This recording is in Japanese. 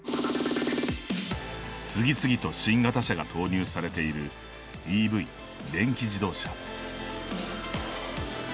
次々と新型車が投入されているＥＶ＝電気自動車。